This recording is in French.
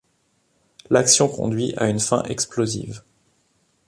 L'action conduit à une fin explosive.